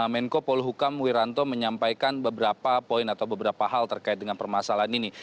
menko polhukam wiranto menyampaikan beberapa poin atau beberapa hal terkait dengan permasalahan ini